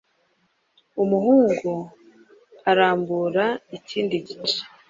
Umuhungu arambura ikindi gice